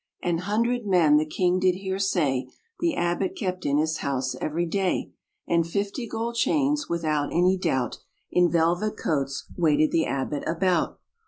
An hundred men the king did hear say, The abbot kept in his house every day; And fifty gold chains without any doubt, In velvet coats waited the abbot about.